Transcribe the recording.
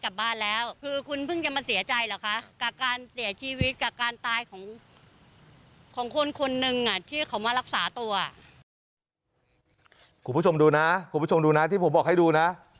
คุณผู้ชมดูนะคุณผู้ชมดูนะที่ผมบอกให้ดูนะ